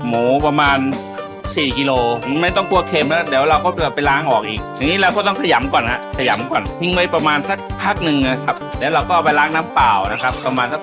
หมักเสร็จแล้วเราก็ไปย่างกันเลยนะครับ